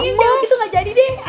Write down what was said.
kalo yang jawab gitu gak jadi deh